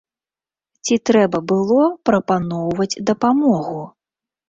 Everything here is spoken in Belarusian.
Ці трэба было прапаноўваць дапамогу?